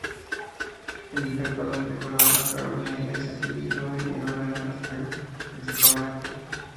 En el que actualmente colaboran Carolina Iglesias, Iggy Rubín y Lorena Castell principalmente.